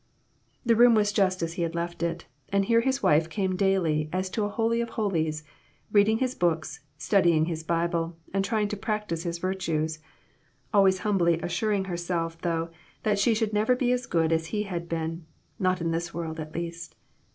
The room was just as he had left it, and here his wife came daily as to a holy of holies, reading his books, studying his Bible and trying to prac tice his virtues ; always humbly assuring herself, though, that she should never be as good as he had been, not in this world, at least.